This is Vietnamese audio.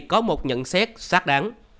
có một nhận xét xác đáng